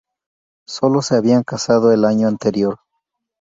Sólo se habían casado el año anterior.